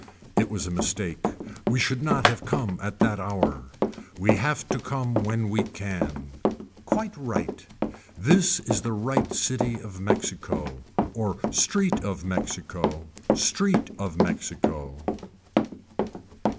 It was a mistake we should not have come at that hour. We have to come when we can. Quite right. This is the right city of Mexico. Or street of Mexico. Street of Mexico.